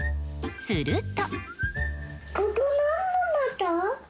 すると。